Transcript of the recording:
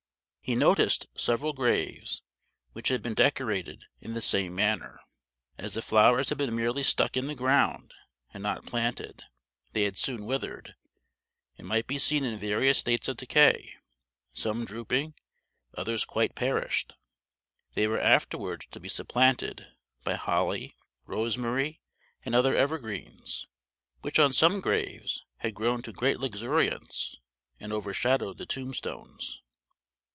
He noticed several graves which had been decorated in the same manner. As the flowers had been merely stuck in the ground, and not planted, they had soon withered, and might be seen in various states of decay; some drooping, others quite perished. They were afterwards to be supplanted by holly, rosemary, and other evergreens, which on some graves had grown to great luxuriance, and overshadowed the tombstones.